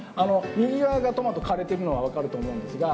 右側がトマト枯れてるのは分かると思うんですが。